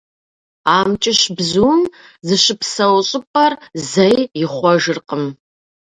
АмкӀыщ бзум зыщыпсэу щӏыпӏэр зэи ихъуэжыркъым.